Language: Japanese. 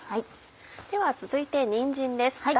では続いてにんじんです。